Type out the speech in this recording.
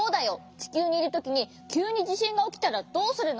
ちきゅうにいるときにきゅうにじしんがおきたらどうするの？